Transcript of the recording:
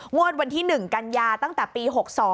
งวดวันที่๑กันยาตั้งแต่ปี๖๒